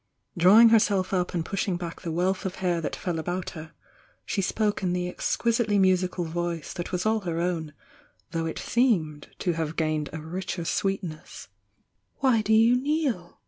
Drawing herself up and pushing back he wealth of hair that fell about her, she spoke m the exquisitely musical voice that was all her ^>^n, though it seemed to have gained a richer s«reet ''^^Why do you kneel?"